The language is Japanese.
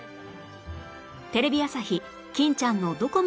テレビ朝日『欽ちゃんのどこまでやるの！』